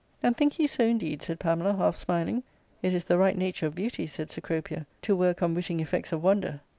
" And think you so indeed ?" said Pamela, half smiling. " It is the right nature of beauty," said Cecropia, " to work unwitting effects of wonder."